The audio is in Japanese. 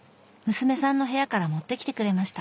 娘さんの部屋から持ってきてくれました。